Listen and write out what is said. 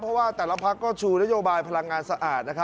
เพราะว่าแต่ละภักดิ์ก็ชูนโยบายพลังงานสะอาดนะครับ